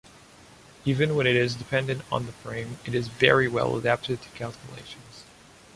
Even when it is dependent on the frame, it is very well adapted to calculations.